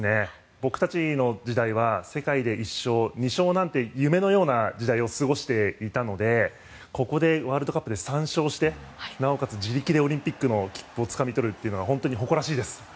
僕たちの時代は世界で１勝、２勝なんて夢のような時代を過ごしていたのでここでワールドカップで３勝してなおかつ自力でオリンピックの切符をつかみ取るというのは本当に誇らしいです。